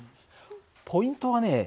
ポイントはね